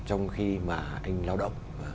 anh lao động